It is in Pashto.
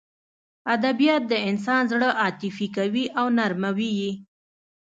ادبیات د انسان زړه عاطفي کوي او نرموي یې